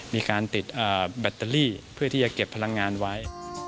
มีการติดแบตเตอรี่เพื่อที่จะเก็บพลังงานไว้